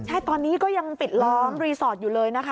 ใช่ตอนนี้ก็ยังปิดล้อมรีสอร์ทอยู่เลยนะคะ